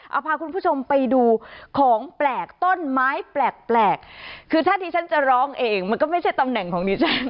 เอาพาคุณผู้ชมไปดูของแปลกต้นไม้แปลกคือถ้าที่ฉันจะร้องเองมันก็ไม่ใช่ตำแหน่งของดิฉัน